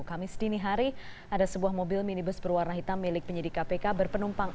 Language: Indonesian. kamis dini hari ada sebuah mobil minibus berwarna hitam milik penyidik kpk berpenumpang